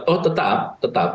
oh tetap tetap